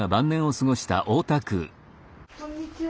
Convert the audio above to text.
こんにちは。